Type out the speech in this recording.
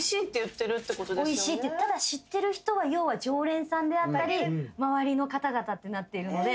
ただ知ってる人は要は常連さんであったり周りの方々ってなっているので。